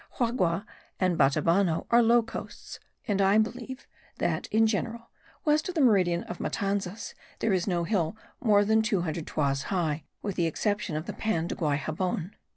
Xagua and Batabano are low coasts; and I believe that, in general, west of the meridian of Matanzas, there is no hill more than 200 toises high, with the exception of the Pan de Guaixabon.